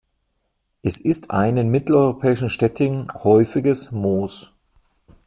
Es ist ein in mitteleuropäischen Städten häufiges Moos.